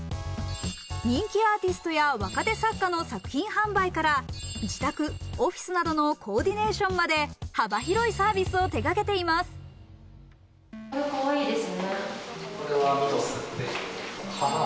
人気アーティストや若手作家の作品販売から、自宅、オフィスなどのコーディネーションまで幅広いサービスを手がけています。